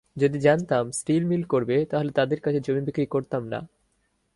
যদি জানতাম steel mill করবে, তাহলে তাদের কাছে জমি বিক্রি করতাম না।